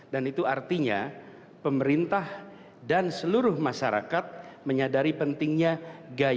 dan itu artinya pemerintah dan seluruh masyarakat menyadari pentingnya gaya